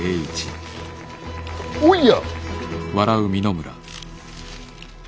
おや。